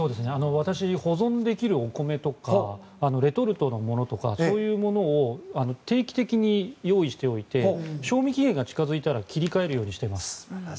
私、保存できるお米とかレトルトのものとかそういうものを定期的に用意しておいて賞味期限が近付いたら切り替えるようにしています。